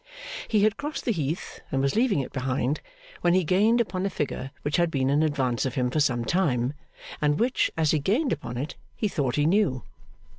He had crossed the heath and was leaving it behind when he gained upon a figure which had been in advance of him for some time, and which, as he gained upon it, he thought he knew.